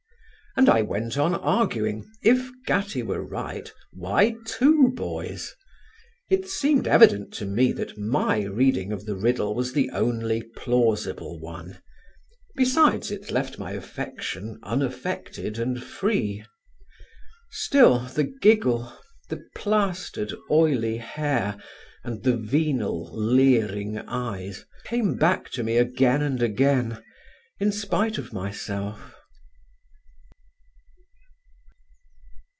And I went on arguing, if Gattie were right, why two boys? It seemed evident to me that my reading of the riddle was the only plausible one. Besides it left my affection unaffected and free. Still, the giggle, the plastered oily hair and the venal leering eyes came back to me again and again in spite of myself.